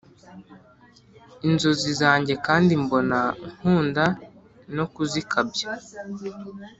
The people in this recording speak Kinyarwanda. inzozi zanjye kandi mbona nkunda no kuzikabya